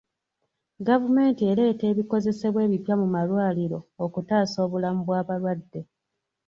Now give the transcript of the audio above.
Gavumenti ereeta ebikozesebwa ebipya mu malwaliro okutaasa obulamu bw'abalwadde.